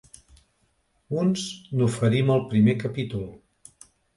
Uns n’oferim el primer capítol.